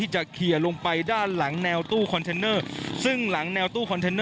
เชิญค่ะคุณครินทร์ค่ะ